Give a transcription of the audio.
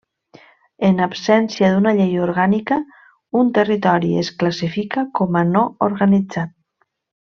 En absència d'una llei orgànica, un territori es classifica com a no organitzat.